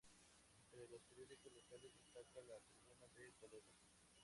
Entre los periódicos locales destaca "La Tribuna de Toledo".